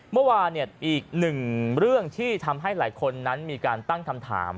เมื่อวานอีกหนึ่งเรื่องที่ทำให้หลายคนนั้นมีการตั้งคำถาม